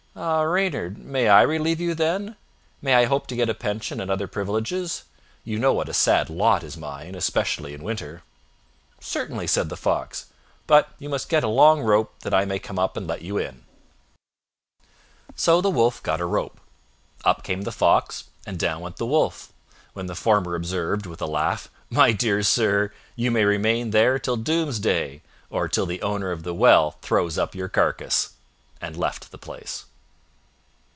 "Ah, Reynard, may I relieve you, then? May I hope to get a pension and other privileges? You know what a sad lot is mine, especially in winter." "Certainly," said the Fox; "but you must get a long rope, that I may come up and let you in. So the Wolf got a rope. Up came the Fox and down went the wo1f, when the former observed, with a laugh, "My dear sir, you may remain there till doomsday, or till the owner of the well throws up your carcass," and left the place.